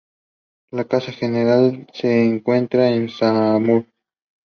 The longitudinal walls feature niches.